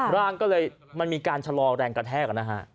ร่างก็มีการชะลองแรงกระแทก